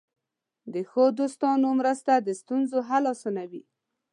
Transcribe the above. د ښو دوستانو مرسته د ستونزو حل آسانوي.